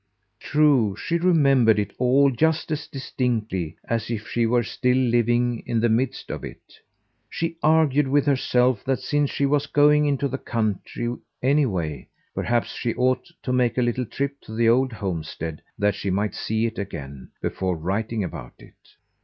True, she remembered it all just as distinctly as if she were still living in the midst of it. She argued with herself that since she was going into the country anyway, perhaps she ought to make a little trip to the old homestead that she might see it again before writing about it.